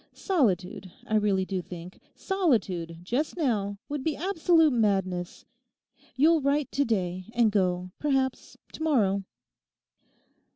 Solitude, I really do think, solitude just now would be absolute madness. You'll write to day and go, perhaps, to morrow!